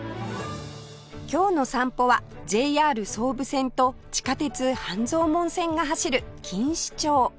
今日の散歩は ＪＲ 総武線と地下鉄半蔵門線が走る錦糸町